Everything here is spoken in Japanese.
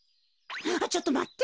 ちょっとまって。